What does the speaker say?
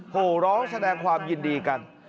โหร้องแสดงความยินดีกัน